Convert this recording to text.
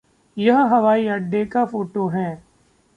यह हवाई अड्डे का फ़ोटो है।